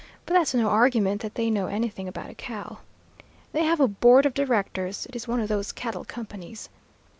But that's no argument that they know anything about a cow. They have a board of directors it is one of those cattle companies.